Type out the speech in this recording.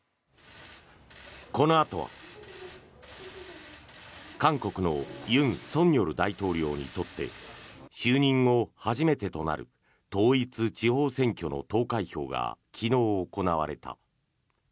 このあとは韓国の尹錫悦大統領にとって就任後初めてとなる統一地方選挙の投開票が昨日、行われた。